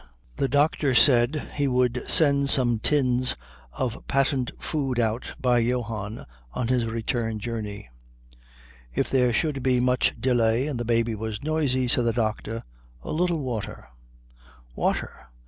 The doctor said he would send some tins of patent food out by Johann on his return journey; if there should be much delay and the baby was noisy, said the doctor, a little water "Water!